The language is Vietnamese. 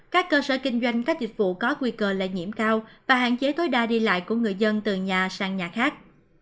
các cơ sở kinh doanh các dịch vụ có nguy cơ lây nhiễm cao và hạn chế tối đa đi lại của người dân từ nhà sang nhà khác